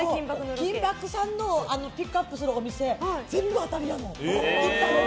「金バク！」さんのピックアップするお店全部当たりやもん。